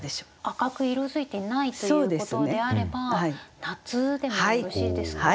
赤く色づいていないということであれば夏でもよろしいですか？